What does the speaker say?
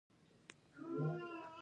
قوانین اول په ولسي جرګه کې تصویبیږي.